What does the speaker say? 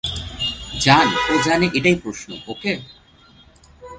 জান, ও জানে এটাই প্রশ্ন, ওকে?